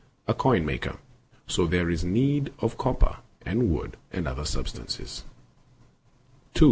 a coin maker ; [so there is need of copper and wood and other substances]. Aet.